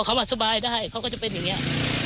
เขาสบายได้เขาก็จะเป็นอย่างนี้